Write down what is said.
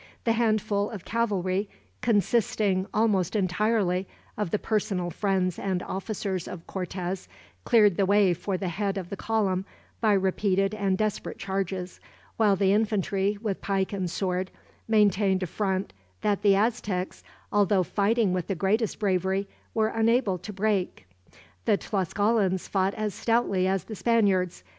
The handful of cavalry, consisting almost entirely of the personal friends and officers of Cortez, cleared the way for the head of the column by repeated and desperate charges; while the infantry, with pike and sword, maintained a front that the Aztecs, although fighting with the greatest bravery, were unable to break. The Tlascalans fought as stoutly as the Spaniards.